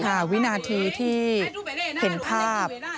วินาทีที่เห็นภาพ